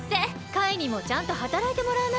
カイにもちゃんとはたらいてもらわないと。